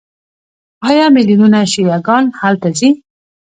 آیا میلیونونه شیعه ګان هلته نه ځي؟